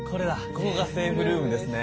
ここがセーフルームですね。